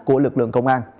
của lực lượng công an